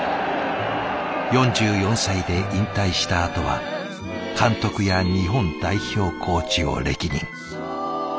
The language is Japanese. ４４歳で引退したあとは監督や日本代表コーチを歴任。